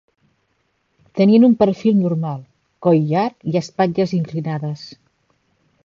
Tenien un perfil normal, coll llarg i espatlles inclinades.